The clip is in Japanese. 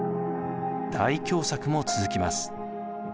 大凶作も続きます。